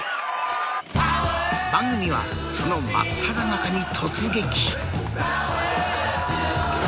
番組はその真っただ中に突撃。